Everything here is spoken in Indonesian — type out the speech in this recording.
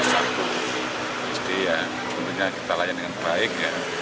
jadi kita layan dengan baik